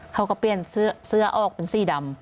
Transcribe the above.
เขาก็เปลี่ยนเสื้อออกเป็นสีดำ